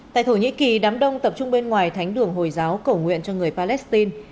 tại thổ nhĩ kỳ đám đông tập trung bên ngoài thánh đường hồi giáo cầu nguyện cho người palestine